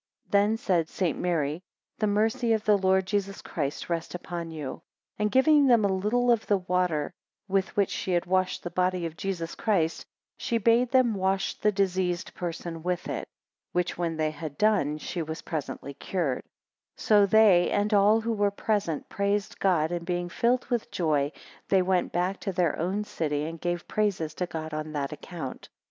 19 Then said St. Mary, The mercy of the Lord Jesus Christ rest upon you; 20 And giving them a little of that water, with which she had washed the body of Jesus Christ, she bade them wash the diseased person with it, which when they had done, she was presently cured; 21 So they, and all who were present, praised God; and being filled with joy, they went back to their own city, and gave praises to God on that account.